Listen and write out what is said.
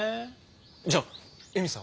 じゃあ恵美さんは？